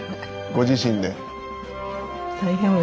ご自身で。